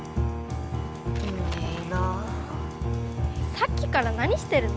さっきから何してるの？